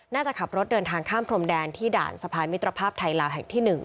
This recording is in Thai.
น่าจะขับรถเดินทางข้ามพรมแดนที่ด่านสะพานมิตรภาพไทยลาวแห่งที่๑